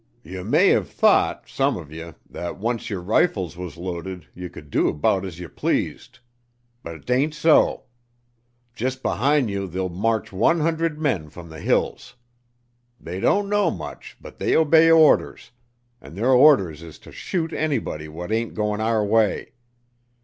Ye may have thought, some of ye, that once yer rifles was loaded ye could do 'bout as ye pleased. But t'ain't so. Jus' behin' you there'll march one hundred men from the hills. They don't know much, but they obey orders, an' their orders is to shoot anybody what ain't goin' our way.